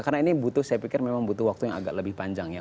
karena ini butuh saya pikir memang butuh waktu yang agak lebih panjang ya